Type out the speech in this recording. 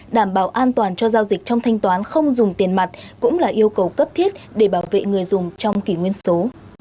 đảm bảo an toàn cho giao dịch trong thanh toán không dùng tiền mặt cũng là yêu cầu cấp thiết để bảo vệ người dùng trong kỷ nguyên số